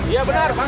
iya benar pak